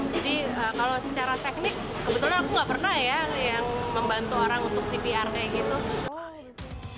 jadi kalau secara teknik kebetulan aku nggak pernah ya yang membantu orang untuk cpr kayak gitu